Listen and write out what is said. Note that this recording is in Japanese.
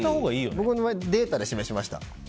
僕の場合はデータで示しました。